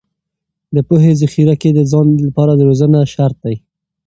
د پوهې ذخیره کې د ځان لپاره روزنه شرط دی.